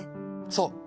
そう。